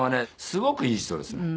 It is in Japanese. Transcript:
すごくいい人ですね。